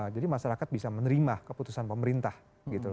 jadi masyarakat bisa menerima keputusan pemerintah gitu